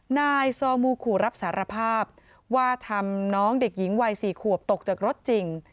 นายซอมูขู่รับสารภาพว่าทำน้องเด็กหญิงวัย๔ขวบตกจากรถจริง